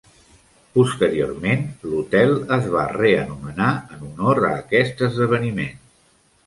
Posteriorment, l'hotel es va reanomenar en honor a aquest esdeveniment.